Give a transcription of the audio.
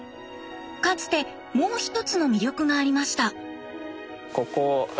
かつてもう一つの魅力がありました。